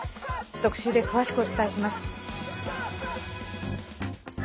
特集で詳しくお伝えします。